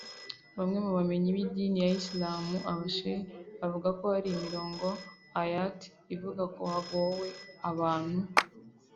Bamwe mu bamenyi b’idini ya Islam “aba sheikh” bavuga ko hari imirongo “ayat” ivuga ko hagowe abantu